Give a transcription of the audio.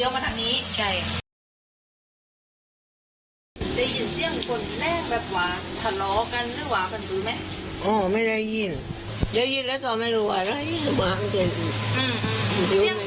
เด็กมันเคยแข่งรถกันอะไรประมาณนี้